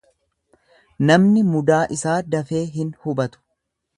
Namni mudaa isaa dafee hin hubatu.